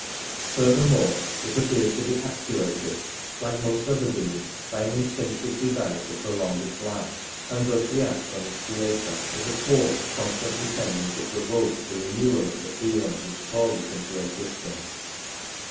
Furthermore, it appears to be actuated, like most other beings, by an instinctive desire to prolong its life, and thus reacts on its creator as a force constantly tending to provoke the renewal of the feeling which called it into existence.